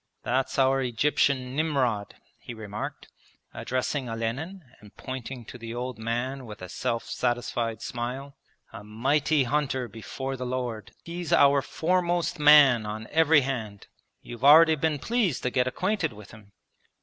'That's our Egyptian Nimrod,' he remarked, addressing Olenin and pointing to the old man with a self satisfied smile. 'A mighty hunter before the Lord! He's our foremost man on every hand. You've already been pleased to get acquainted with him.'